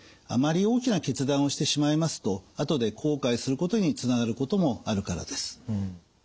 あまり大きな決断をしてしまいますと後で後悔することにつながることもあるからです。